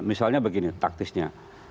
misalnya begini taktisnya